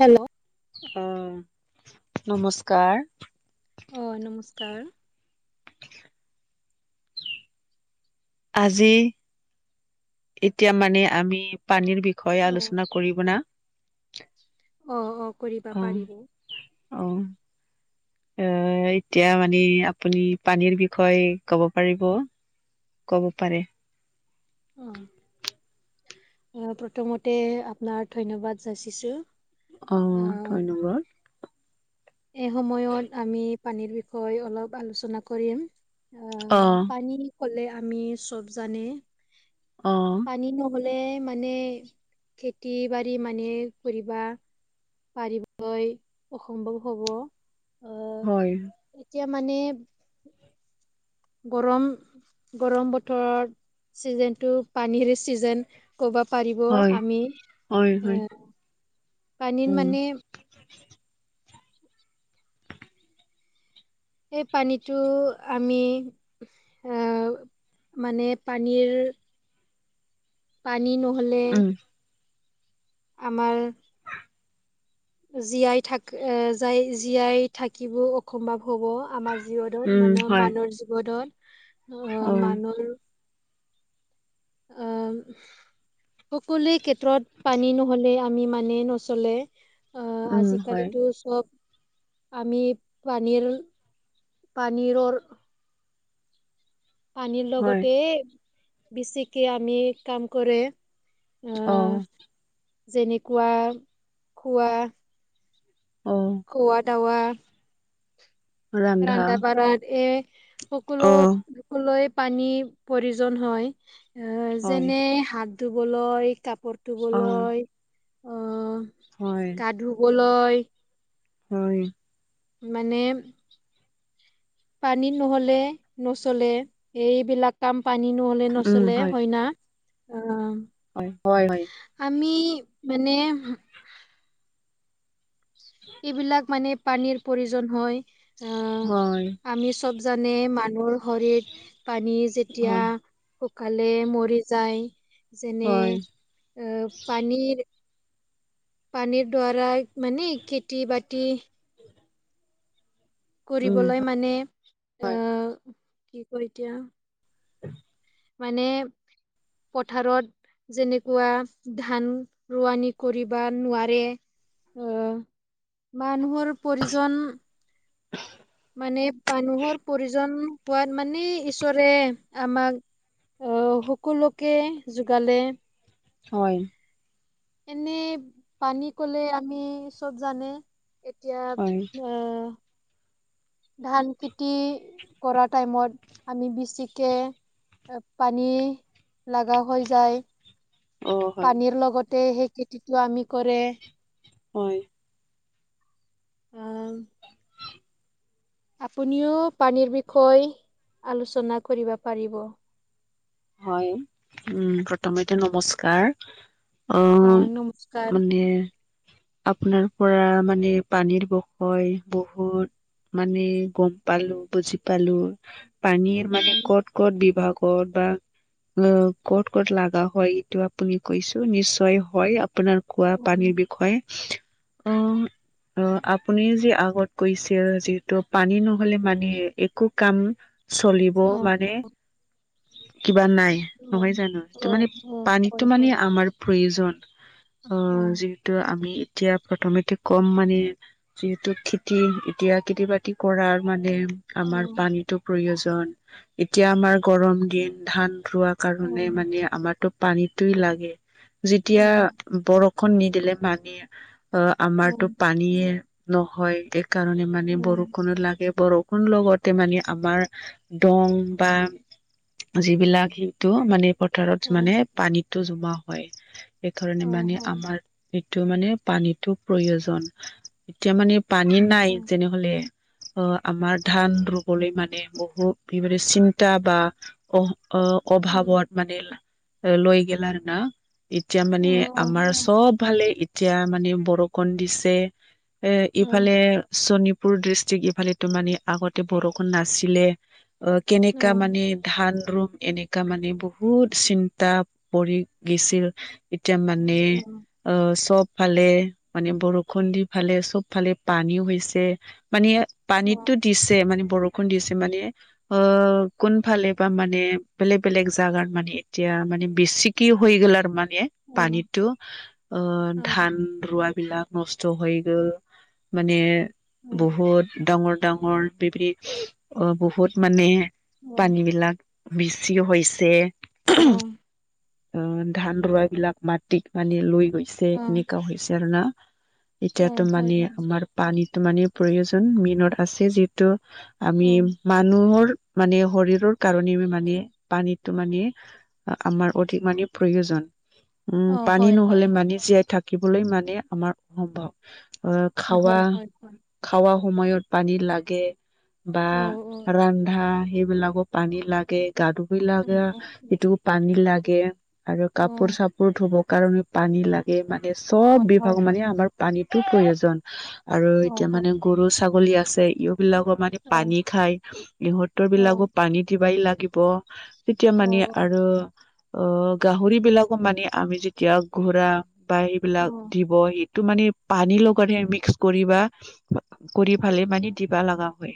Hello. অ নমস্কাৰ। অ নমস্কাৰ। আজি এতিয়া মানে আমি পানীৰ বি বিষয় অ আলোচনা কৰিব না অ কৰিবা অ। পাৰিব অ। অ, এতিয়া মানে আপুনি পানীৰ বিষয়ে কব পাৰিব। ক'ব পাৰে। অ। প্ৰথমতে আপোনাৰ ধন্যবাদ যাচিছো। অ আহ ধন্যবাদ। এই সময়ত আমি পানীৰ বিষয়ে অলপ আলোচনা কৰিম। অ আহ পানী কলে আমি চব জানে অ পানী নহ'লে। মানে মানে খেতি বাৰী মানে কৰিবা। পাৰিবই অসম্ভৱ হ'ব। আহ হয়। এতিয়া মানে গৰম গৰম বতৰত চিজনেটো পানীৰৰে ছিজন। ক'ব পাৰিব হয় আমি হয় হয় এ পানীৰ উম মানে এই পানীটো আমি মানে পানীৰ পানী নহ'লে উম আমাৰ জীয়াই থাক জীয়াই থাকিবো অসম্ভৱ হ'ব আমাৰ। জীৱনত উম মানে হয় মানুহৰ জীৱনত অ মানুৰ অহ। সকলোৱে ক্ষেত্ৰত পানী নহলে আমি মানে নচলে। অ, উম হয় আজিকালিতো চব আমি পানীৰ পানীৰৰ পানীৰ হয় লগতে বেচিকে আমি কাম কৰে। অ আহ যেনেকুৱা খোৱা অ। খোৱা দুৱা। ৰন্ধা বঢ়া এ সকলো। অ লৈ পানীৰ প্ৰয়োজন হয়। হয় যেনে- ধুবলৈ কাপোৰ অ ধুবলৈ আহ হয় গা ধুবলৈ। বলৈ হয়। মানে পানী নহ'লে নচলে এইবিলাক কাম পানী নহ'লে নচলে হয় ন। হয় হয় হয়। আমি মানে এইবিলাক মানে পানীৰ প্ৰয়োজন হয় হয় আহ আমি চব জানে মানুহৰ শৰিত পানী হয় যেতিয়া সুকালে মৰি যায় যেনে হয় আহ পানীৰ- পানীৰ দ্বাৰা মানে খেতি বাতি উম কৰিবলৈ মানে হয় আহ কি কয় এতিয়া উ। মানে পথাৰত যেনেকুৱা ধান ৰোৱানি কৰিব নোৱাৰে। আহ মানুহৰ প্ৰয়োজন। মানে মানুহৰ প্ৰয়োজন পোৱাত মানে ঈশ্বৰে আমাক আহ সকলোকে যোগালে হয় এনেই পানী কলে আমি চব জানে। এতিয়া আহ। হয়, ধান খেতি কৰা টাইমত আমি বেছিকে। পানী লগা হৈ যায়। অ হয় পানীৰ লগতে সেই খেতিটো আমি কৰে। হয়। অঁ। আপুনিও পানীৰ বিষয়ে আলোচনা কৰিব পাৰিব। হয়। উম প্ৰথমতে নমস্কাৰ। অ, মানে আপোনাৰ পৰা মানে পানীৰ বসয় বহুত। মানে গম পালো বুজি পালো। পানীৰ মানে ক'ত ক'ত বিভাগত বা। অ ক'ত ক'ত লগা হয় এইটো আপুনি কৈছো নিশ্চয় হয় আপোনাৰ- খোৱা অ পানীৰ বিষয়ে- অ', [inaudible] অ আপুনি যে আগত কৈছে যিহেতু পানী নহলে মানে একো কাম চলিব অ মানে। কিবা নাই অ নহয় জানো ত অ মানে অ, পানীতো হয় মানে হয় আমাৰ- প্ৰয়োজন অ আহ যিহেতু আমি এতিয়া প্ৰথমতে কম মানে- যিহেতু খেতি এতিয়া খেতি বাতি কৰাৰ মানে- অ আমাৰ পানীতো প্ৰয়োজন এতিয়া আমাৰ গৰম দিন ধান ৰোৱা। অ অ কাৰণে মানে আমাৰতো পানীটোই লাগে যেতিয়া বৰষুণ নিদিলে মানি অ অ আমাৰতো পানীয়ে নহয়। কাৰণে মানে অ বৰষুণো লাগে বৰষুণ লগতে মানে আমাৰ দং বা- যিবিলাক সেইটো মানে অ পথাৰত মানে পানীতটো জমা হয়। সেইকাৰণে অ মানে হয় আমাৰ এইটো মানে পানীতটো প্ৰয়োজন। এতিয়া মানে পানী নাই যেনেহলে। অ, আমাৰ ধান বলৈ মানে বহুত এই চিন্তা বা অ, অ। অভাৱত মানে লৈ গেলা আৰু না এতিয়া মানে আমাৰ চব ভালে এতিয়া মানে বৰষুণ দিছে। এ ইফালে শোণপুৰ ডিষ্ট্ৰিক ইফালে তো মানে আগতে বৰষুণ নাছিলে। অ, কেনেকা মানে ধান ৰুম এনেকা মানে বহুত চিন্তা পৰি গেছিল। এতিয়া মানে আহ, চবফালে মানে বৰষুণ দি ফালে চব ফালে পানী হৈছে। মানে পানীতো দিছে মানে বৰষুণ দিছে মানে অ, কোনফালে বা মানে বেলেগ - বেলেগ জোগাত মানে এতিয়া মানে বেছিকি হৈ গ'ল আৰু মানে পানীতো অ, ধান ৰোৱা বিলাক নষ্ট হৈ গ' মানে বহুত ডাঙৰ - ডাঙৰ বিপ অ, বহুত মানে পানী বিলাক বেছিও হৈছে। অ', অ, ধান ৰোৱা বিলাক মাটিত মানে লৈ গৈছে এনেকুৱা হৈছে আৰু না এতিয়াতো মানে আমাৰ পানীতো মানে প্ৰয়োজন মেইনত আছে যি টো আমি মানুহৰ মানে শৰীৰৰ কাৰণে মানে পানীটো মানে আমাৰ অধিক মানে প্ৰয়োজন। উম, পানী নহলে মানি জীয়াই থাকিবলৈ মানে আমাৰ অসম্ভৱ আহ খাৱা-খাৱা সময়ত পানী লাগে। বা ৰন্ধা সেইবিলাকৰ পানী লাগে গা ধুবই লাগে সেইটো পানী লাগে আৰু কাপোৰ চাপোৰ ধুবৰ কাৰণে পানী লাগে মানে চব বিভাগ মানে আমাৰ পানীতো প্ৰয়োজন। আৰু এতিয়া মানে গৰু ছাগলী আছে ইবিলাকো মানে পানী খাই ইহঁতৰ বিলাকো পানী দিবাই লাগিব। তেতিয়া মানে আৰু অ, গাহৰি বিলাকো মানে আমি যেতিয়া ঘোৰা বা সেইবিলাক দিব সেইটো মানে পানী লগত মিক্স কৰিবা। কৰি পালে মানে দিবা লগা হয়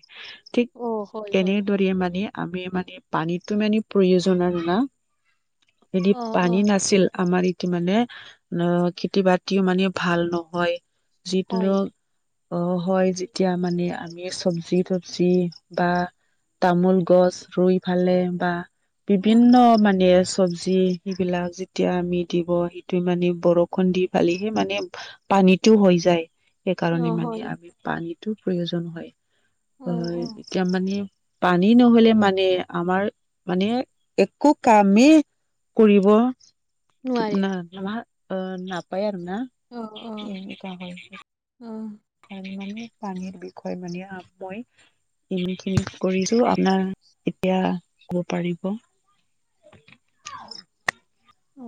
ঠিক এনেদৰে মানে আমি মানে পানীতো মানে প্ৰয়োজন আৰু না। এদি পানী নাছিল আমাৰ ই মানে অ, খেতি বাতিও মানে ভাল নহয় যিটো অ, হয় যেতিয়া মানে আমি চব্জি তবজি বা তামোল গছ ৰুই ফালে বা বিভিন্ন মানে চব্জি সেইবিলাক যেতিয়া আমি দিব সেইটোৱে মানে বৰষুণ দি পালিহি মানে পানীতো হৈ যায়। সেইকাৰণে মানে আমি পানীতো প্ৰয়োজন হয় অ, এতিয়া মানে পানী নহলে মানে আমাৰ মানে একো কামেই কৰিব নোৱাৰে না - না অ, নাপায় আৰু না? অহ', অহ', এনেকুৱা হয় অহ', মানে পানীৰ বিষয় মানে আ মই খিনি কৰিছো আপোনাৰ এতিয়া কব পাৰিব। অ,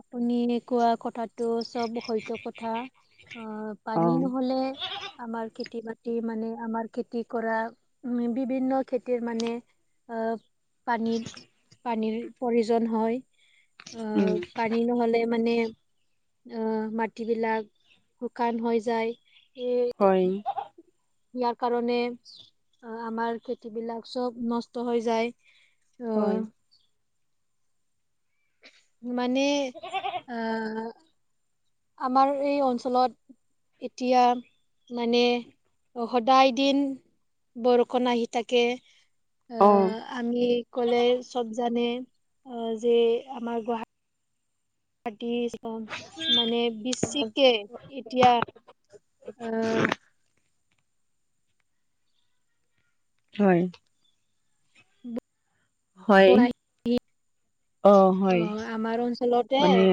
আপুনি কোৱা কথাটো চব হয়ত কথা অ, অ পানী নহলে আমাৰ খেতি বাতি মানে আমাৰ খেতি কৰা উম, বিভিন্ন খেতিৰ মানে আহ পানীৰ - পানীৰ প্ৰয়োজন হয়। উম অ'! পানী নহ'লে মানে, আঁ মাটিবিলাক, শুকান হৈ যায়। [unintelligible] হয় ইয়াৰ কাৰণে, আমাৰ খেতি বিলাক, চব নষ্ট হৈ যায়। হয় অ'! মানে, আঁ আমাৰ এই অঞ্চলত এতিয়া, মানে, সদায় দিন বৰষুণ আহি থাকে। অ'! আহ আমি ক'লে, চব জানে। অ'! যে, আমাৰ গুৱা গুৱাহাটীৰ, অ'! মানে, বেছিকে এতিয়া অ'! হয়! [unintelligible] হয়! অ হয় অ'! আমাৰ অঞ্চলতে, মানে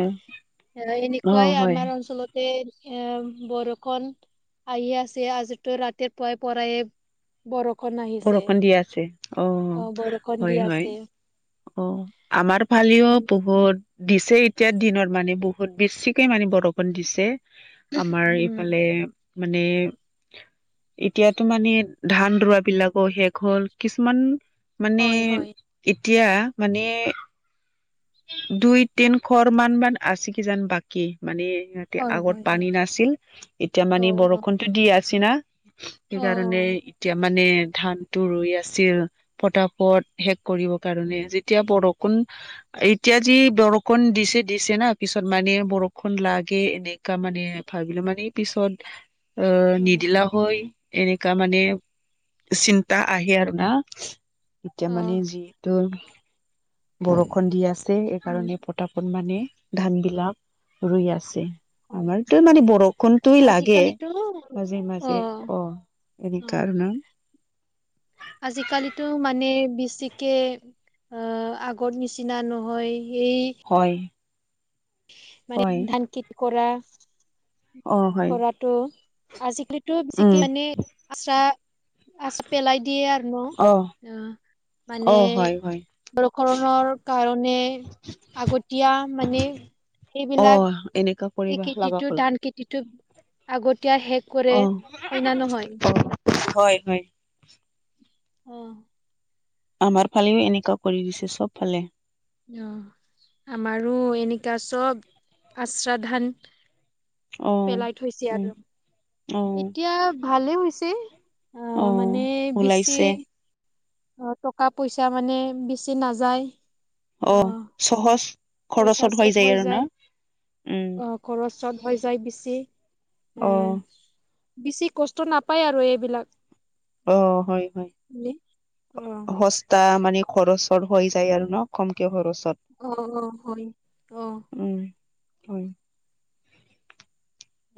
অ এনেকুৱাই হয় আমাৰ অঞ্চলত এই, এই, বৰষুণ আহি আছে। আজিতো, ৰাতিপুৱাই পৰাই বৰষুণ আহিছে। বৰষুণ দি আছে অ'! বৰষুণ হয় দি হয় আছে। অ'! আমাৰ ফালেও বহুত। দিছে এতিয়া দিনত, মানে। বহুত বেছিকে মানে, বৰষুণ দিছে। আমাৰ, উম এইফালে মানে, এতিয়াতো মানে, ধান ৰোৱা বিলাকৰ শেষ হ'ল। কিছুমান মানে, হয় হয় এতিয়া মানে, দুই- তিনশৰ মান, মান আছে, কিজানি বাকী মানে। এতিয়া, হয় আগত হয় হয় পানী নাছিল। এতিয়া অ মানে, অ বৰষুণতো দি আছ না। সেইকাৰণে, অ', এতিয়া মানে ধানটো ৰোই আছিল, পতাপত শেষ কৰিব কাৰণে। যেতিয়া, বৰষুণ এতিয়া যি, বৰষুণ দিছে, দিছে না। পিছত মানে, বৰষুণ লাগে, এনে তাৰমানে, ভাবিলে মানে, পিছত [inaudible] অ'! নিদিলা হয়। এনেকা, মানে চিন্তা আহে আৰু না! এতিয়া অ মানে, যিহেতু বৰষুণ দি আছে। উম, সেইকাৰণে, পতাপত মানে, ধান বিলাক ৰোই আছে। হয়। আমাৰটো মানে, বৰষুণটোৱেই লাগে, আজিকালিতো মাজে -মাজে। অ'! এনে, অ কাৰণত। আজিকালিতো মানে, বেছিকে আঁ আগৰ নিচিনা নহয়। সেই, হয়! মানে, হয় ধান খেতি কৰা, অ হয় কৰাটো আজিকালিটো, উম [unintelligible] আচ পেলাই দিয়ে আৰু ন'? অ অ'! অ মানে, হয় হয় বৰষুণৰ কাৰণে, আগতীয়া মানে। সেইবিলাক অ'! এনেকুৱা। এই খেতিটো, ধান খেতিটো, আগত শেষ কৰে। অ অ হয় না নহয়? হয়, হয়। অ'! আমাৰ ফালেও, এনেকুৱা কৰি দিছে, চব ফালে। অ'! আমাৰো এনেকুৱা, চব আশ্ৰ ধান অ পেলাই থৈছে উম আৰু। অ এতিয়া ভালে হৈছে অ, মানে বেছি ওলাইছে অ, টকা পইচা মানে বেছি নাযায়। অ, সহজ। পইচা খৰচত চছেভ হৈ আৰু ন যায়। উম অ, খৰচ হৈ যায় বেছি অ এ। বেছি কষ্ট নাপায় আৰু এইবিলাক। অ, হয়-হয়। বুলি অ তা মানে খৰচত হৈ যায় আৰু ন কমকে খৰচত। অ', অ', হয় অ, উম, হয়।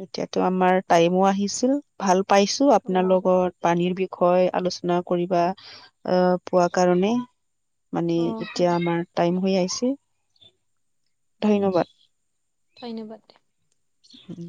এতিয়াতো আমাৰ টাইমো আহিছিল ভাল পাইছো অ আপোনাৰ লগত পানীৰ বিষয়ে আলোচনা কৰিব আহ পোৱা কাৰণে। মানে অ এতিয়া হয় আমাৰ টাইম হৈ আহিছে। ধন্যবাদ। ধন্যবাদ। উম,